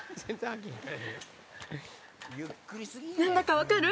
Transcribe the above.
何だか分かる？